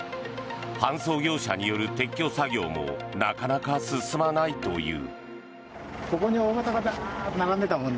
搬送業者による撤去作業もなかなか進まないという。